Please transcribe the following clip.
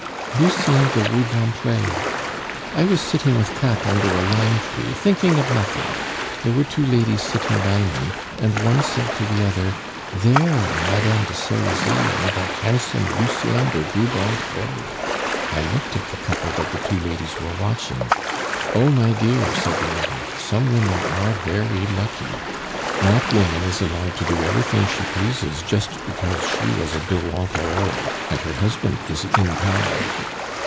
"Lucien de Rubempre. I was sitting with Katt under a lime tree, thinking of nothing. There were two ladies sitting by me, and one said to the other, 'There are Madame de Serizy and that handsome Lucien de Rubempre.' I looked at the couple that the two ladies were watching. 'Oh, my dear!' said the other, 'some women are very lucky! That woman is allowed to do everything she pleases just because she was a de Ronquerolles, and her husband is in power.